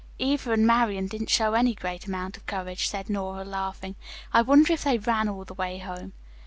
"Eva and Marian didn't show any great amount of courage," said Nora, laughing. "I wonder if they ran all the way home."